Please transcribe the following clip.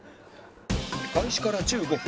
開始から１５分